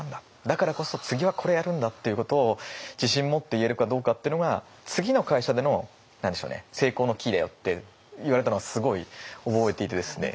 だからこそ次はこれやるんだっていうことを自信持って言えるかどうかっていうのが次の会社での成功のキーだよって言われたのはすごい覚えていてですね。